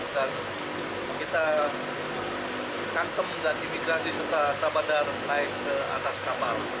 dan kita custom dan imigrasi serta sabadar naik ke atas kapal